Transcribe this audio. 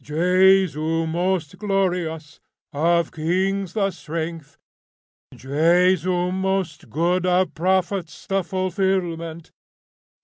Jesu most glorious, of kings the strength. Jesu most good, of prophets the fulfilment.